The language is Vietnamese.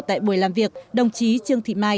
tại buổi làm việc đồng chí trương thị mai